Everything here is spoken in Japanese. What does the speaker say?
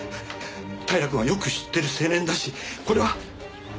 平くんはよく知ってる青年だしこれは出来心だ。